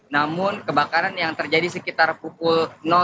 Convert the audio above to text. namun kebakaran yang terjadi sekitar pukul